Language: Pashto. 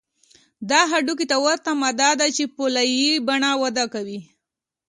دا هډوکي ته ورته ماده ده چې په لایې په بڼه وده کوي